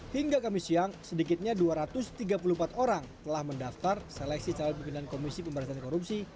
hingga kamis siang sedikitnya dua ratus tiga puluh empat orang telah mendaftar seleksi calon pimpinan komisi pemberantasan korupsi